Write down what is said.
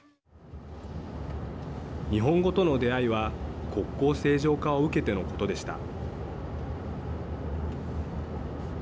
日本語との出会いは国交正常化を受けてのことでした。